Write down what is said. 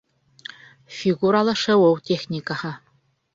Фигуралы шыуыу техникаһы